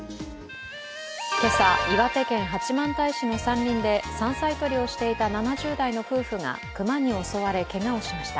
今朝、岩手県八幡平市の山林で山菜採りをしていた７０代の夫婦が熊に襲われ、けがをしました。